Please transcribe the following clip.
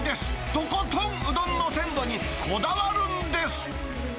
とことんうどんの鮮度にこだわるんです。